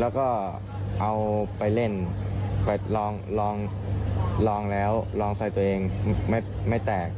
แล้วก็เอาไปเล่นไปลองแล้วลองใส่ตัวเองไม่แตก